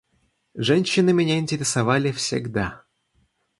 Женщины меня интересовали всегда.